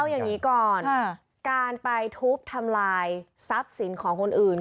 เอาอย่างนี้ก่อนการไปทุบทำลายทรัพย์สินของคนอื่น